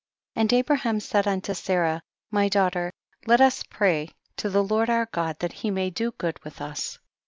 7. And Abraham said unto Sarah, my daughter, let us pray to the Lord our God that he may do good with us.